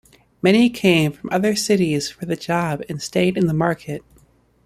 Many came from other cities for the job and stayed in the market.